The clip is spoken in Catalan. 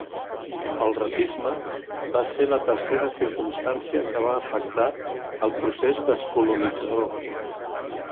El racisme va ser la tercera circumstància que va afectar el procés descolonitzador.